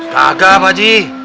kagah pak haji